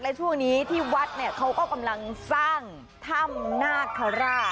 และช่วงนี้ที่วัดเนี่ยเขาก็กำลังสร้างถ้ำนาคาราช